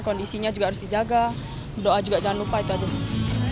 kondisinya juga harus dijaga doa juga jangan lupa itu aja sih